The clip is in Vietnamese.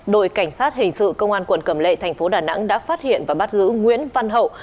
đội cảnh sát hình sự công an quận cầm lệ thành phố đà nẵng đã phát hiện và bắt giữ nguyễn văn hậu